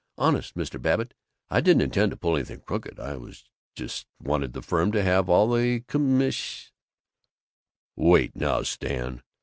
Honest, Mr. Babbitt, I didn't intend to pull anything crooked. I just wanted the firm to have all the commis " "Wait now, Stan.